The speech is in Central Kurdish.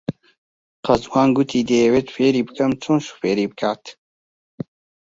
قەزوان گوتی دەیەوێت فێری بکەم چۆن شۆفێری بکات.